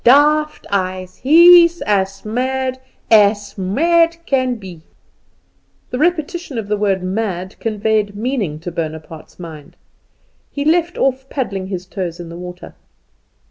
Daft eyes; he's as mad as mad can be." This repetition of the word mad conveyed meaning to Bonaparte's mind. He left off paddling his toes in the water.